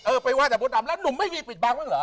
ไปไห้แต่มดดำแล้วหนุ่มไม่มีปิดบังบ้างเหรอ